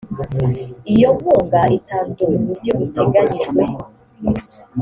iyo nkunga itanzwe mu buryo buteganyijwe